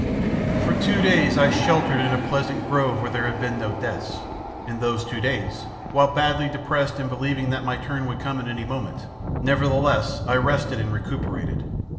V "FOR two days I sheltered in a pleasant grove where there had been no deaths. In those two days, while badly depressed and believing that my turn would come at any moment, nevertheless I rested and recuperated.